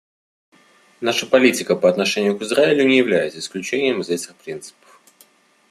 Наша политика по отношению к Израилю не является исключением из этих принципов.